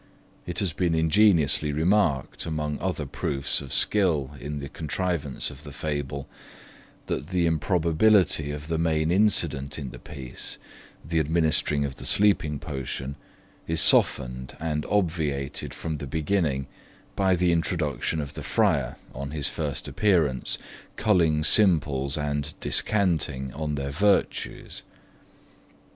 It has been ingeniously remarked among other proofs of skill in the contrivance of the fable, that the improbability of the main incident in the piece, the administering of the sleeping potion, is softened and obviated from the beginning by the introduction of the Friar on his first appearance culling simples and descanting on their virtues.